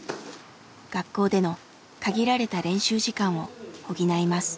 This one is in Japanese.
学校での限られた練習時間を補います。